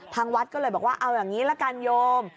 ทางวัดก็เลยบอกว่าเอาอย่างนี้ละกันโยม